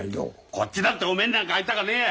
こっちだっておめえになんか会いたかねえや！